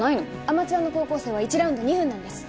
アマチュアの高校生は１ラウンド２分なんです。